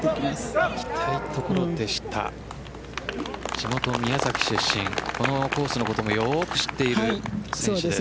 地元・宮崎出身このコースのこともよく知っている選手です。